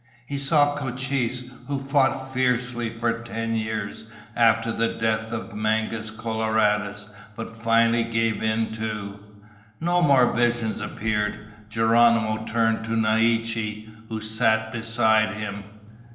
He saw Cochise, who fought fiercely for ten years after the death of Mangus Coloradus but finally gave in too. No more visions appeared. Geronimo turned to Naiche, who sat beside him.